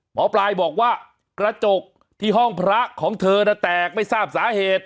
หมอปลายบอกว่ากระจกที่ห้องพระของเธอน่ะแตกไม่ทราบสาเหตุ